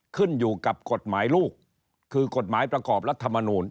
ขึ้นอยู่กับกฎหมายลูกคือกฎหมายประกอบรัฐมนูล